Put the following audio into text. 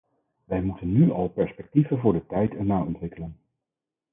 Wij moeten nu al perspectieven voor de tijd erna ontwikkelen.